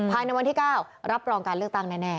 ภายในวันที่๙รับรองการเลือกตั้งแน่